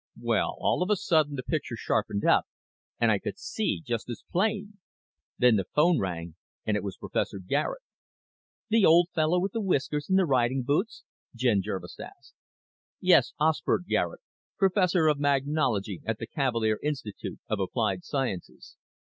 Well, all of a sudden the picture sharpened up and I could see just as plain. Then the phone rang and it was Professor Garet." "The old fellow with the whiskers and the riding boots?" Jen Jervis asked. "Yes. Osbert Garet, Professor of Magnology at the Cavalier Institute of Applied Sciences."